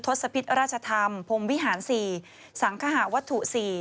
ศพิษราชธรรมพรมวิหาร๔สังขหาวัตถุ๔